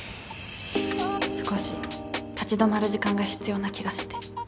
少し立ち止まる時間が必要な気がして。